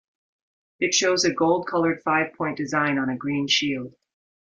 It shows a gold-colored five point design on a green shield.